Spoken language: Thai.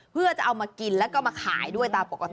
เพื่อจะเอากินก็มาขายด้วย